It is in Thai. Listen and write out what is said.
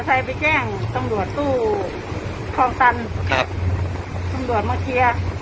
จนต้าไปไปแกล้งจำด่วนตู้ครับจำด่วนมาเคียก